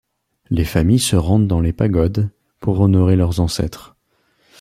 Les familles se rendent dans les pagodes pour honorer leurs ancêtres.